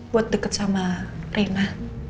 buat deket sama rena